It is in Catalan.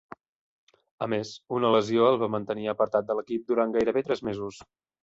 A més, una lesió el va mantenir apartat de l'equip durant gairebé tres mesos.